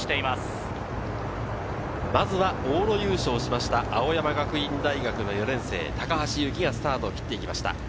まずは往路優勝しました青山学院大学４年生・高橋勇輝がスタートを切っていきました。